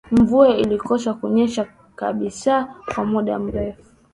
Mvua ilikosa kunyesha kabisa kwa muda mrefu